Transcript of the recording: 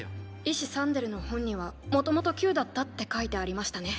医師サンデルの本にはもともと球だったって書いてありましたね。